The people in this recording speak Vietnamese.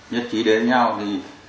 nhất trí đến với nhau thì